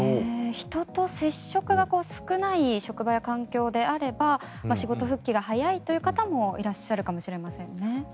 人と接触が少ない職場や環境であれば仕事復帰が早い方もいらっしゃるかもしれませんね。